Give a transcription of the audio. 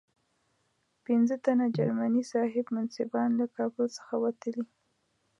پنځه تنه جرمني صاحب منصبان له کابل څخه وتلي.